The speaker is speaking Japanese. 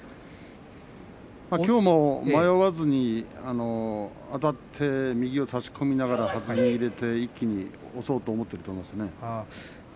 きょうも迷わずにあたって右を差し込みながらはずに出て一気に押そうと思っていると思います。